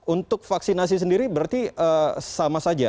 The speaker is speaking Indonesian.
untuk vaksinasi sendiri berarti sama saja